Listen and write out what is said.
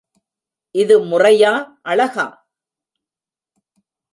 இது முறையா, அழகா?